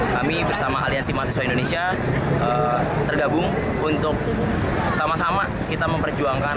kami bersama aliansi mahasiswa indonesia tergabung untuk sama sama kita memperjuangkan